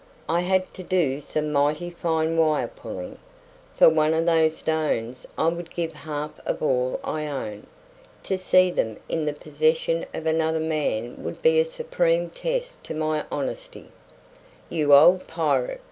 I had to do some mighty fine wire pulling. For one of those stones I would give half of all I own. To see them in the possession of another man would be a supreme test to my honesty." "You old pirate!"